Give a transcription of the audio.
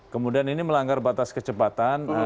kemudian ini melanggar batas kecepatan